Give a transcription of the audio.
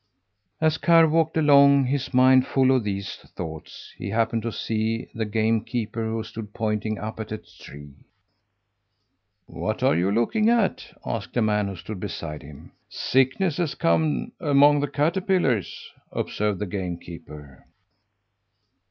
As Karr walked along, his mind full of these thoughts, he happened to see the game keeper, who stood pointing up at a tree. "What are you looking at?" asked a man who stood beside him. "Sickness has come among the caterpillars," observed the game keeper.